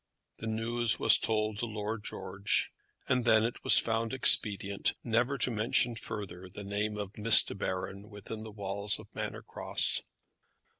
The news was told to Lord George, and then it was found expedient never to mention further the name of Miss De Baron within the walls of Manor Cross.